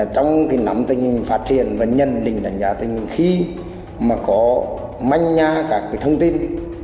trong nắm tình hình phát triển và nhận định đánh giá tình hình khi mà có manh nha các thông tin